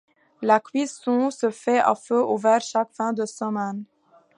La cuisson se fait à feu ouvert chaque fin de semaine.